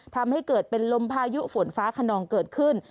ทำให้เกิดเป็นลมพายุฝนฟ้าขนองเกิดขึ้น